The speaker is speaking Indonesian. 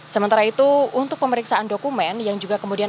sementara itu untuk pemeriksaan dokumen yang juga kemudian